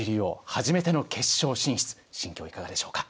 初めての決勝進出心境はいかがでしょうか。